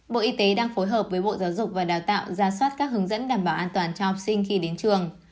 bộ y tế đang phối hợp với bộ giáo dục và đào tạo ra soát các hướng dẫn đảm bảo an toàn cho học sinh khi đến trường